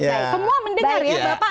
semua mendengar ya